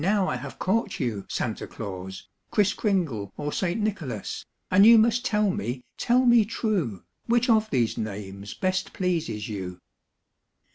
I have caught you Santa Claus, Kriss Kringle or St. Nicholas, And you must tell me, tell me true. Which of these names best pleases you'?